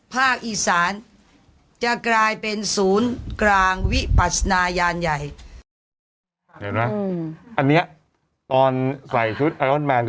เพราะรู้ว่า